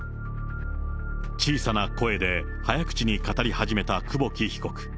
小さな声で早口に語り始めた久保木被告。